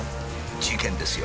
事件ですよ。